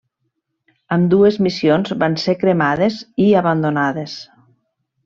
Ambdues missions van ser cremades i abandonades.